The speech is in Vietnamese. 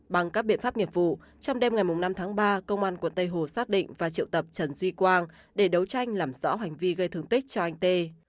bằng các biện pháp nghiệp vụ trong đêm ngày năm tháng ba công an quận tây hồ xác định và triệu tập trần duy quang để đấu tranh làm rõ hành vi gây thương tích cho anh tê